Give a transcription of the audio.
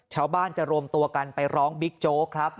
ชาวบ้านจะรวมตัวกันไปร้องบิ๊กโจ๊กครับ